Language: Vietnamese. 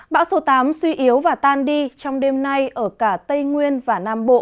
bão số tám suy yếu và tan đi trong đêm nay ở cả tây nguyên và nam bộ